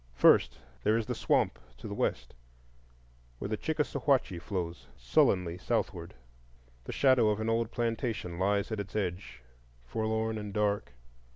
First there is the Swamp, to the west, where the Chickasawhatchee flows sullenly southward. The shadow of an old plantation lies at its edge, forlorn and dark.